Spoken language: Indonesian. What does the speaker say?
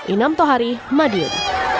inam tohari madiun